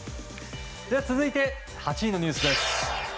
続いて８位のニュースです。